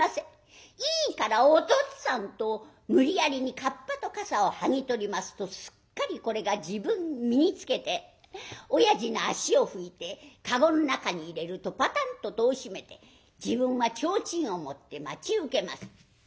いいからおとっつぁん」と無理やりにかっぱとかさを剥ぎ取りますとすっかりこれが自分に身につけて親父の足を拭いて駕籠の中に入れるとパタンと戸を閉めて自分はちょうちんを持って待ち受けます。